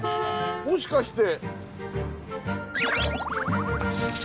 もしかして。